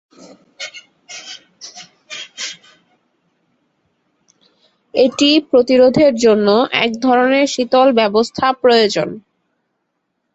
এটি প্রতিরোধের জন্য, এক ধরনের শীতল ব্যবস্থা প্রয়োজন।